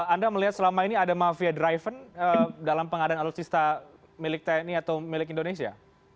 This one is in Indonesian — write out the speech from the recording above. anda melihat selama ini ada mafia driven dalam pengadaan alutsista milik tni atau milik indonesia